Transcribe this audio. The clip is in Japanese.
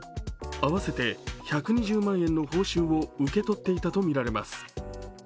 合わせて１２０万円の報酬を受け取っていたとみられます。